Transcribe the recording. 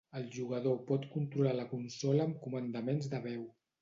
El jugador pot controlar la consola amb comandaments de veu.